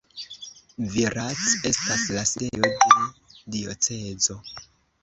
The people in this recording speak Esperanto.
Virac estas la sidejo de diocezo.